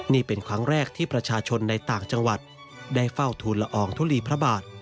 นี่เป็นครั้งแรกที่ประชาชนในต่างจังหวัดได้เฝ้าทูลละอองทุลีพระบาท